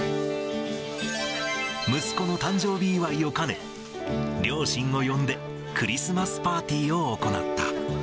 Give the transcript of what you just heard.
息子の誕生日祝いを兼ね、両親を呼んで、クリスマスパーティーを行った。